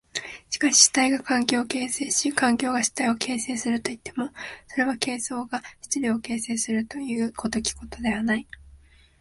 しかし主体が環境を形成し環境が主体を形成するといっても、それは形相が質料を形成するという如きことではない。